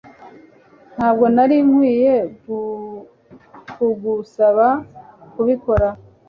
Ntabwo nari nkwiye kugusaba kubikora